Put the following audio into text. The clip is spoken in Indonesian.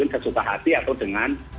sesuka hati atau dengan